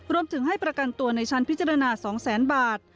รวมถึงให้ประกันตัวในชั้นพิจารณา๒๐๐บาท